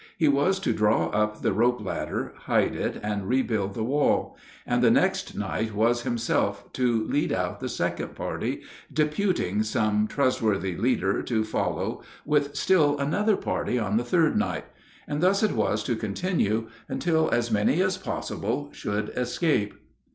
He was to draw up the rope ladder, hide it, and rebuild the wall; and the next night was himself to lead out the second party, deputing some trustworthy leader to follow with still another party on the third night; and thus it was to continue until as many as possible should escape.